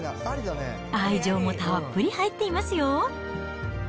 愛情もたっぷり入っていますよ。